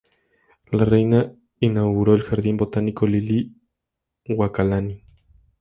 La reina inauguró el Jardín Botánico Liliʻuokalani.